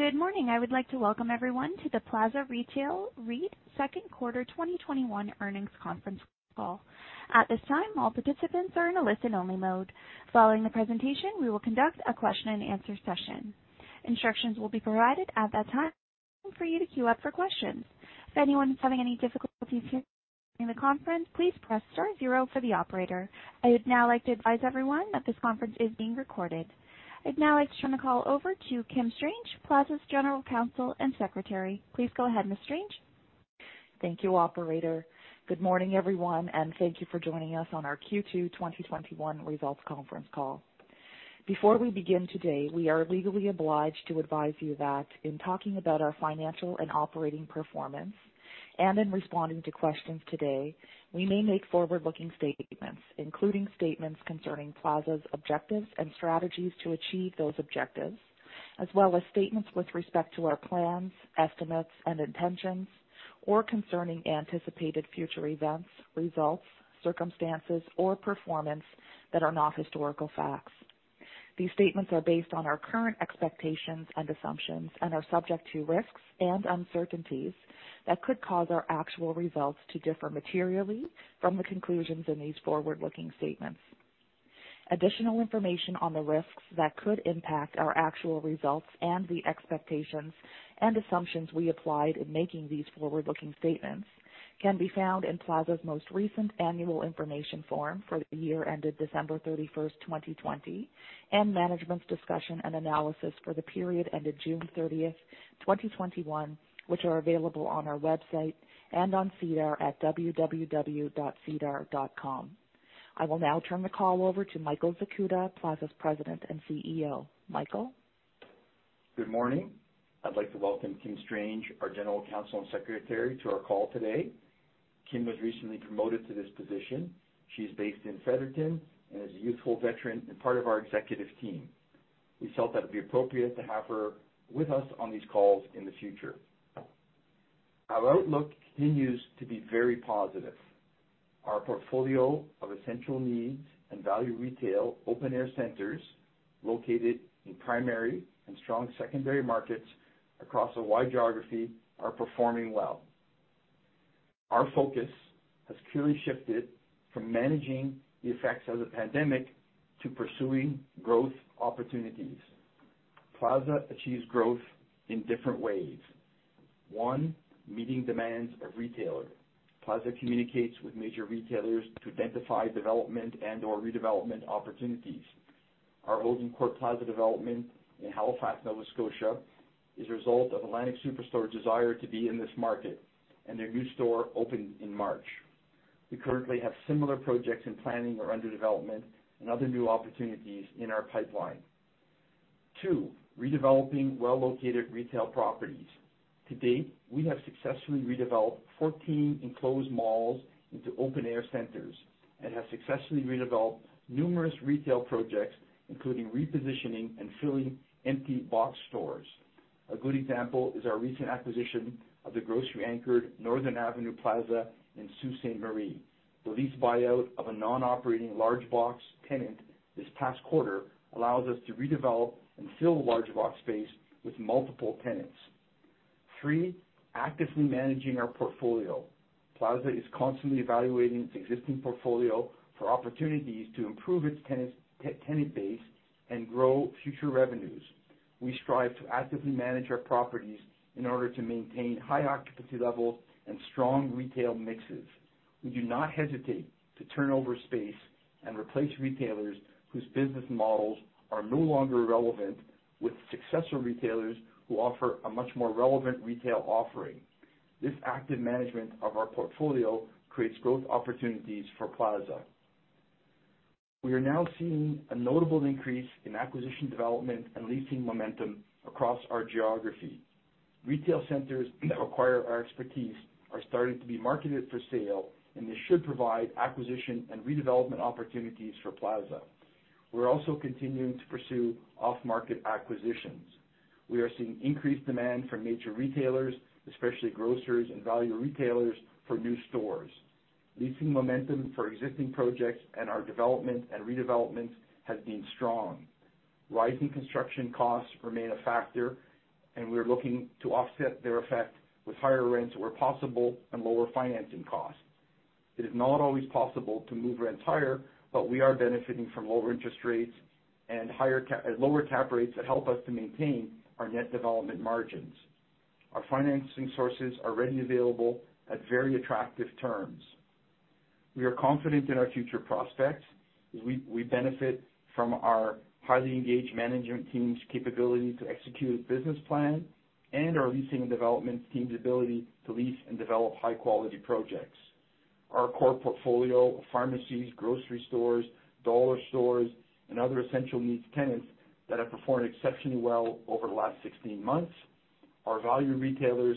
Good morning. I would like to welcome everyone to the Plaza Retail REIT Second Quarter 2021 Earnings Conference Call. At this time, all participants are in a listen-only mode. Following the presentation, we will conduct a question and answer session. Instructions will be provided at that time for you to queue up for questions. If anyone is having any difficulties hearing the conference, please press star zero for the operator. I would now like to advise everyone that this conference is being recorded. I'd now like to turn the call over to Kim Strange, Plaza's General Counsel and Secretary. Please go ahead, Ms. Strange. Thank you, operator. Good morning, everyone, and thank you for joining us on our Q2 2021 results conference call. Before we begin today, we are legally obliged to advise you that in talking about our financial and operating performance, and in responding to questions today, we may make forward-looking statements, including statements concerning Plaza's objectives and strategies to achieve those objectives, as well as statements with respect to our plans, estimates, and intentions, or concerning anticipated future events, results, circumstances, or performance that are not historical facts. These statements are based on our current expectations and assumptions and are subject to risks and uncertainties that could cause our actual results to differ materially from the conclusions in these forward-looking statements. Additional information on the risks that could impact our actual results and the expectations and assumptions we applied in making these forward-looking statements can be found in Plaza's most recent annual information form for the year ended December 31st, 2020, and management's discussion and analysis for the period ended June 30th, 2021, which are available on our website and on SEDAR at www.sedar.com. I will now turn the call over to Michael Zakuta, Plaza's President and CEO. Michael? Good morning. I'd like to welcome Kim Strange, our General Counsel and Secretary, to our call today. Kim was recently promoted to this position. She's based in Fredericton and is a useful veteran and part of our executive team. We felt that it'd be appropriate to have her with us on these calls in the future. Our outlook continues to be very positive. Our portfolio of essential needs and value retail open-air centers located in primary and strong secondary markets across a wide geography are performing well. Our focus has clearly shifted from managing the effects of the pandemic to pursuing growth opportunities. Plaza achieves growth in different ways. One, meeting demands of retailers. Plaza communicates with major retailers to identify development and/or redevelopment opportunities. Our Hogan Court Plaza development in Halifax, Nova Scotia, is a result of Atlantic Superstore's desire to be in this market, and their new store opened in March. We currently have similar projects in planning or under development and other new opportunities in our pipeline. Two, redeveloping well-located retail properties. To date, we have successfully redeveloped 14 enclosed malls into open-air centers and have successfully redeveloped numerous retail projects, including repositioning and filling empty box stores. A good example is our recent acquisition of the grocery-anchored Northern Avenue Plaza in Sault Ste. Marie. The lease buyout of a non-operating large box tenant this past quarter allows us to redevelop and fill the large box space with multiple tenants. Three, actively managing our portfolio. Plaza is constantly evaluating its existing portfolio for opportunities to improve its tenant base and grow future revenues. We strive to actively manage our properties in order to maintain high occupancy levels and strong retail mixes. We do not hesitate to turn over space and replace retailers whose business models are no longer relevant with successor retailers who offer a much more relevant retail offering. This active management of our portfolio creates growth opportunities for Plaza. We are now seeing a notable increase in acquisition development and leasing momentum across our geography. Retail centers that require our expertise are starting to be marketed for sale, and this should provide acquisition and redevelopment opportunities for Plaza. We're also continuing to pursue off-market acquisitions. We are seeing increased demand from major retailers, especially grocers and value retailers, for new stores. Leasing momentum for existing projects and our development and redevelopment has been strong. Rising construction costs remain a factor, and we are looking to offset their effect with higher rents where possible and lower financing costs. It is not always possible to move rents higher, but we are benefiting from lower interest rates and lower cap rates that help us to maintain our net development margins. Our financing sources are readily available at very attractive terms. We are confident in our future prospects as we benefit from our highly engaged management team's capability to execute a business plan and our leasing and development team's ability to lease and develop high-quality projects. Our core portfolio of pharmacies, grocery stores, dollar stores, and other essential needs tenants that have performed exceptionally well over the last 16 months, our value retailers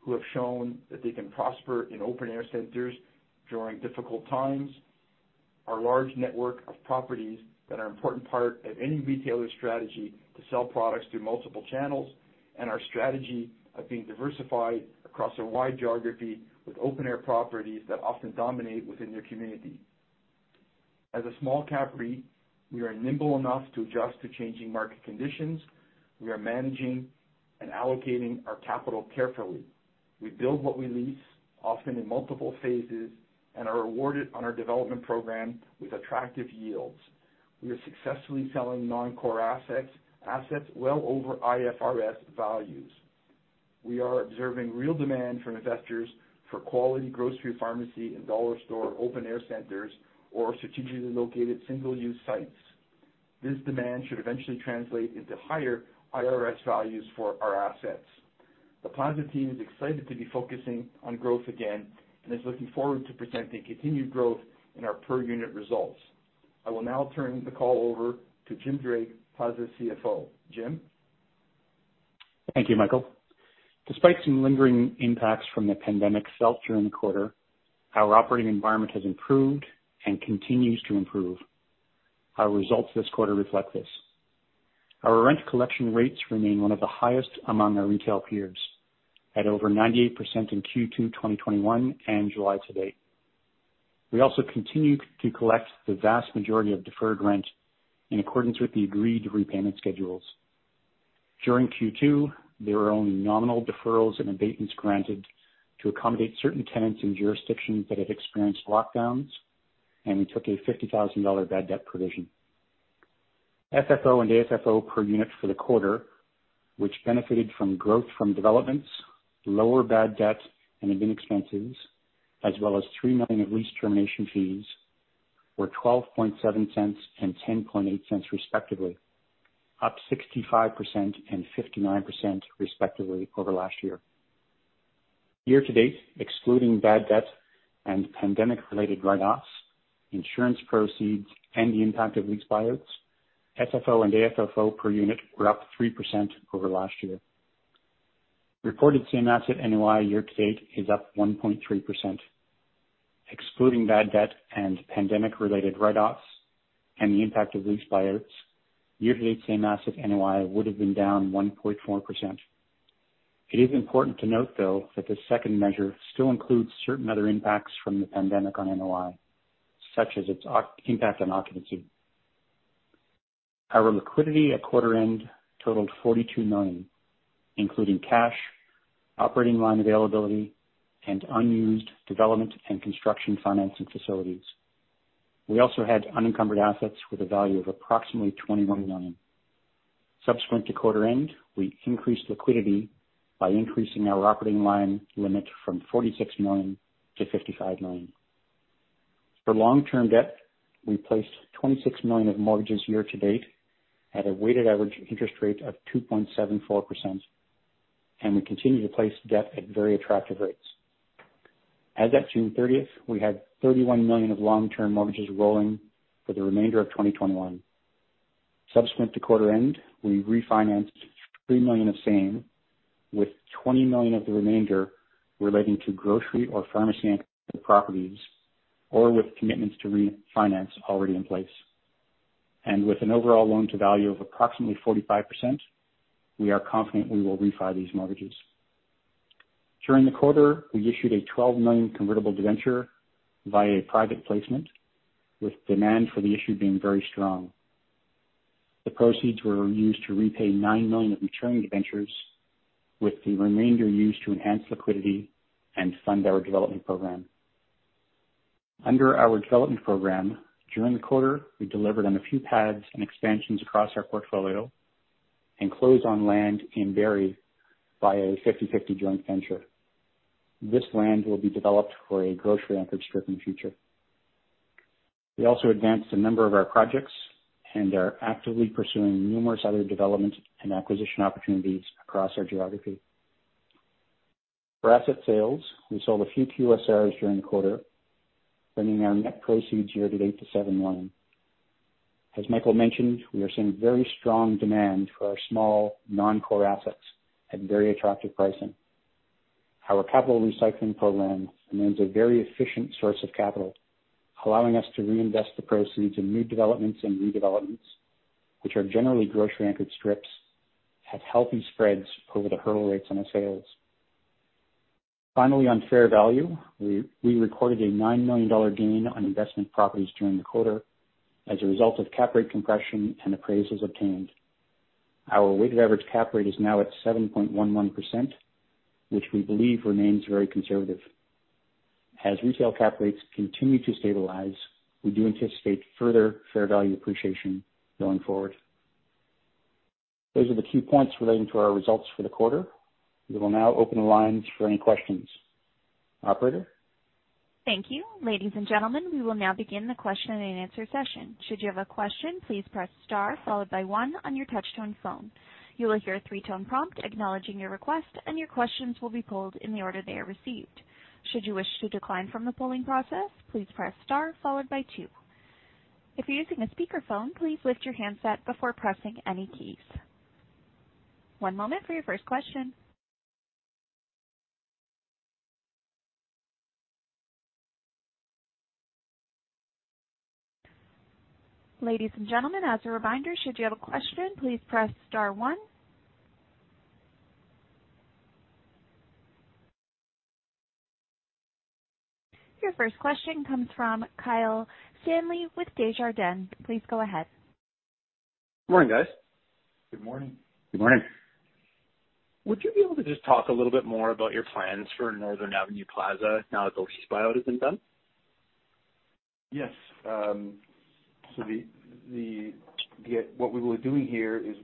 who have shown that they can prosper in open air centers during difficult times, our large network of properties that are an important part of any retailer's strategy to sell products through multiple channels, and our strategy of being diversified across a wide geography with open air properties that often dominate within their community. As a small cap REIT, we are nimble enough to adjust to changing market conditions. We are managing and allocating our capital carefully. We build what we lease, often in multiple phases, and are rewarded on our development program with attractive yields. We are successfully selling non-core assets well over IFRS values. We are observing real demand from investors for quality grocery, pharmacy, and dollar store open-air centers or strategically located single-use sites. This demand should eventually translate into higher IFRS values for our assets. The Plaza team is excited to be focusing on growth again and is looking forward to presenting continued growth in our per unit results. I will now turn the call over to Jim Drake, Plaza CFO. Jim? Thank you, Michael. Despite some lingering impacts from the pandemic felt during the quarter, our operating environment has improved and continues to improve. Our results this quarter reflect this. Our rent collection rates remain one of the highest among our retail peers, at over 98% in Q2 2021 and July to date. We also continue to collect the vast majority of deferred rent in accordance with the agreed repayment schedules. During Q2, there were only nominal deferrals and abatements granted to accommodate certain tenants in jurisdictions that have experienced lockdowns. We took a 50,000 dollar bad debt provision. FFO and AFFO per unit for the quarter, which benefited from growth from developments, lower bad debt, and admin expenses, as well as 3 million of lease termination fees, were 0.127 and 0.108 respectively, up 65% and 59% respectively over last year. Year to date, excluding bad debt and pandemic related write-offs, insurance proceeds, and the impact of lease buyouts, FFO and AFFO per unit were up 3% over last year. Reported same asset NOI year to date is up 1.3%. Excluding bad debt and pandemic related write-offs and the impact of lease buyouts, year to date same asset NOI would've been down 1.4%. It is important to note, though, that this second measure still includes certain other impacts from the pandemic on NOI, such as its impact on occupancy. Our liquidity at quarter end totaled 42 million, including cash, operating line availability, and unused development and construction financing facilities. We also had unencumbered assets with a value of approximately 21 million. Subsequent to quarter end, we increased liquidity by increasing our operating line limit from CAD 46 million to CAD 55 million. For long-term debt, we placed CAD 26 million of mortgages year to date at a weighted average interest rate of 2.74%, and we continue to place debt at very attractive rates. As at June 30th, we had 31 million of long-term mortgages rolling for the remainder of 2021. Subsequent to quarter end, we refinanced 3 million of same, with 20 million of the remainder relating to grocery or pharmacy properties, or with commitments to refinance already in place. With an overall loan to value of approximately 45%, we are confident we will refi these mortgages. During the quarter, we issued a 12 million convertible debenture via a private placement, with demand for the issue being very strong. The proceeds were used to repay 9 million of maturing debentures, with the remainder used to enhance liquidity and fund our development program. Under our development program, during the quarter, we delivered on a few pads and expansions across our portfolio and closed on land in Barrie via a 50/50 joint venture. This land will be developed for a grocery-anchored strip in future. We also advanced a number of our projects and are actively pursuing numerous other development and acquisition opportunities across our geography. For asset sales, we sold a few QSRs during the quarter, bringing our net proceeds year to date to 7 million. As Michael mentioned, we are seeing very strong demand for our small non-core assets at very attractive pricing. Our capital recycling program remains a very efficient source of capital, allowing us to reinvest the proceeds in new developments and redevelopments, which are generally grocery anchored strips, at healthy spreads over the hurdle rates on the sales. Finally, on fair value, we recorded a 9 million dollar gain on investment properties during the quarter as a result of cap rate compression and appraisals obtained. Our weighted average cap rate is now at 7.11%, which we believe remains very conservative. As retail cap rates continue to stabilize, we do anticipate further fair value appreciation going forward. Those are the key points relating to our results for the quarter. We will now open the lines for any questions. Operator? Thank you. Ladies and gentlemen, we will now begin the question and answer session. Should you have a question, please press star followed by one on your touch-tone phone. You will hear a three-tone prompt acknowledging your request, and your questions will be pulled in the order they are received. Should you wish to decline from the polling process, please press star followed by two. If you're using a speakerphone, please lift your handset before pressing any keys. One moment for your first question. Ladies and gentlemen, as a reminder, should you have a question, please press star one. Your first question comes from Kyle Stanley with Desjardins. Please go ahead. Good morning, guys. Good morning. Good morning. Would you be able to just talk a little bit more about your plans for Northern Avenue Plaza now that the lease buyout has been done? Yes. What we were doing here is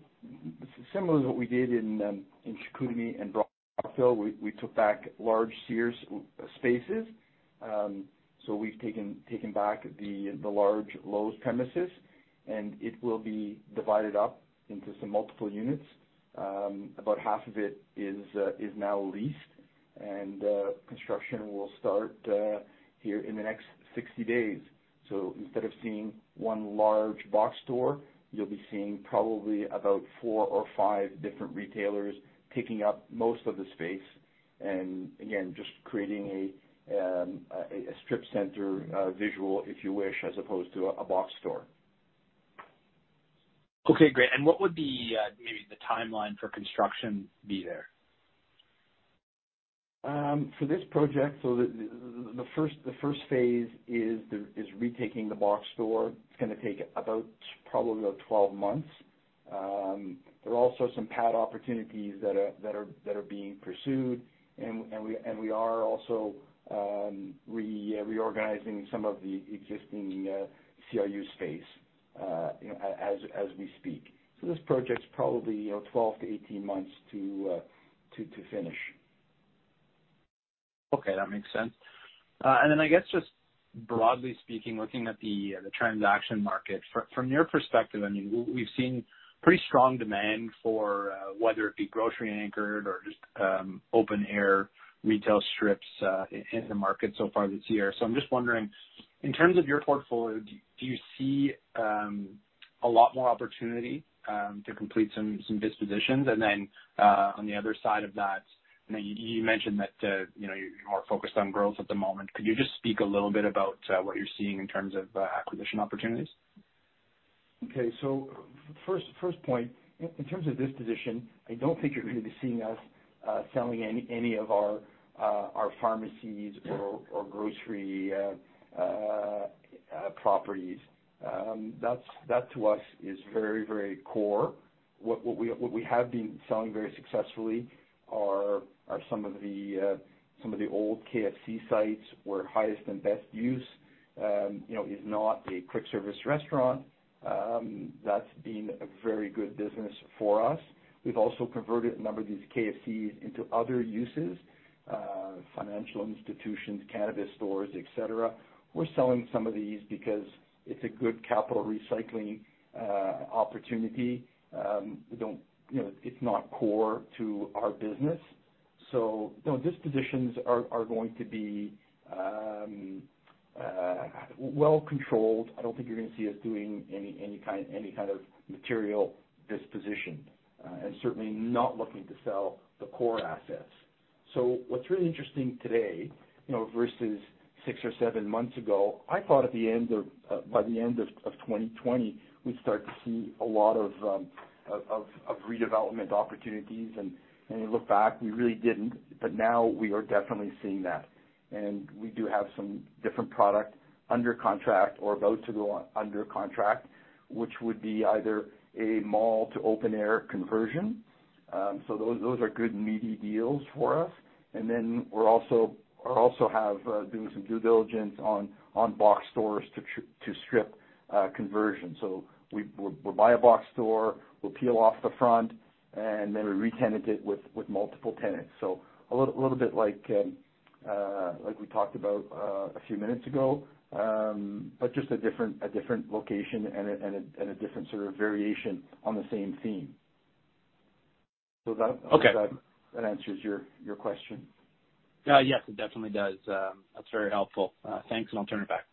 similar to what we did in Chicoutimi and Brockville. We took back large Sears spaces. We've taken back the large Lowe's premises, and it will be divided up into some multiple units. About half of it is now leased, and construction will start here in the next 60 days. Instead of seeing one large box store, you'll be seeing probably about four or five different retailers taking up most of the space. Again, just creating a strip center visual, if you wish, as opposed to a box store. Okay, great. What would the timeline for construction be there? For this project, the first phase is retaking the box store. It's going to take about probably 12 months. There are also some pad opportunities that are being pursued, and we are also reorganizing some of the existing CRU space as we speak. This project is probably 12-18 months to finish. Okay, that makes sense. I guess, just broadly speaking, looking at the transaction market, from your perspective, we've seen pretty strong demand for whether it be grocery anchored or just open air retail strips in the market so far this year. I'm just wondering, in terms of your portfolio, do you see a lot more opportunity to complete some dispositions? On the other side of that, you mentioned that you are focused on growth at the moment. Could you just speak a little bit about what you're seeing in terms of acquisition opportunities? Okay. First point, in terms of disposition, I don't think you're going to be seeing us selling any of our pharmacies or grocery properties. That to us is very core. What we have been selling very successfully are some of the old KFC sites where highest and best use is not a quick-service restaurant. That's been a very good business for us. We've also converted a number of these KFCs into other uses, financial institutions, cannabis stores, et cetera. We're selling some of these because it's a good capital recycling opportunity. It's not core to our business, so dispositions are going to be well controlled. I don't think you're going to see us doing any kind of material disposition. Certainly not looking to sell the core assets. What's really interesting today, versus six or seven months ago, I thought by the end of 2020, we'd start to see a lot of redevelopment opportunities. You look back, we really didn't. Now we are definitely seeing that. We do have some different product under contract or about to go under contract, which would be either a mall to open air conversion. Those are good meaty deals for us. We're also doing some due diligence on box stores to strip conversions. We'll buy a box store, we'll peel off the front, and then we re-tenant it with multiple tenants. A little bit like we talked about a few minutes ago. Just a different location and a different sort of variation on the same theme. Okay. That answers your question? Yes, it definitely does. That's very helpful. Thanks. I'll turn it back.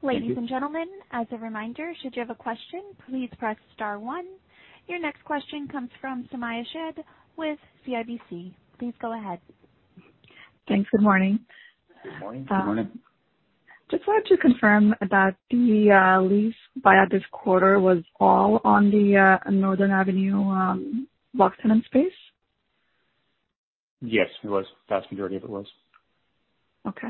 Ladies and gentlemen, as a reminder, should you have a question, please press star one. Your next question comes from Sumayya Syed with CIBC. Please go ahead. Thanks. Good morning. Good morning. Good morning. Just wanted to confirm that the lease buyout this quarter was all on the Northern Avenue box tenant space? Yes, it was. Vast majority of it was. Okay.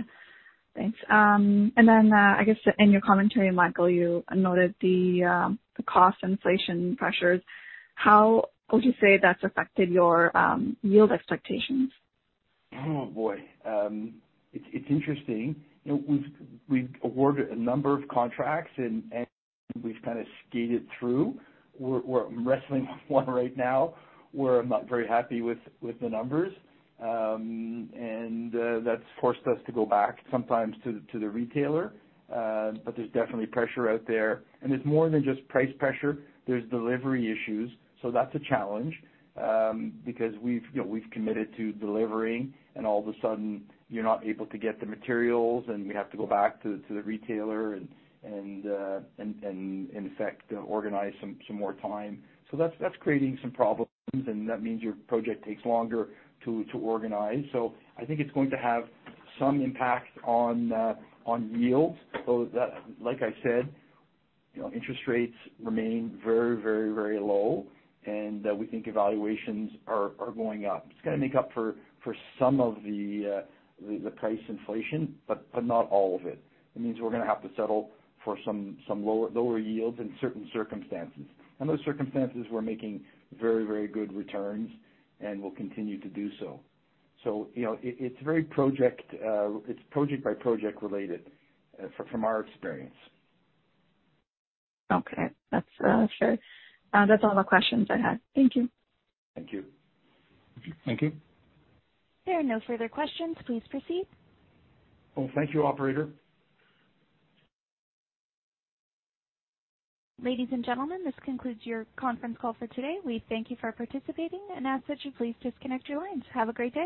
Thanks. I guess in your commentary, Michael, you noted the cost inflation pressures. How would you say that's affected your yield expectations? Oh, boy. It's interesting. We've awarded a number of contracts, and we've kind of skated through. We're wrestling with one right now where I'm not very happy with the numbers. That's forced us to go back sometimes to the retailer. There's definitely pressure out there. It's more than just price pressure. There's delivery issues. That's a challenge, because we've committed to delivering, and all of a sudden, you're not able to get the materials, and we have to go back to the retailer and in effect, organize some more time. That's creating some problems, and that means your project takes longer to organize. I think it's going to have some impact on yields. Like I said, interest rates remain very low, and we think evaluations are going up. It's going to make up for some of the price inflation, but not all of it. It means we're going to have to settle for some lower yields in certain circumstances. In those circumstances, we're making very good returns and will continue to do so. It's project by project related from our experience. Okay. That's fair. That's all the questions I had. Thank you. Thank you. Thank you. There are no further questions. Please proceed. Well, thank you, operator. Ladies and gentlemen, this concludes your conference call for today. We thank you for participating and ask that you please disconnect your lines. Have a great day.